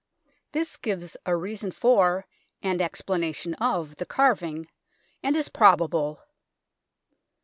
This gives a reason for and explanation of the carving, and is probable.